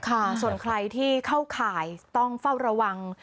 ค่ะส่วนใครที่เข้าข่ายต้องเฝ้าระวัง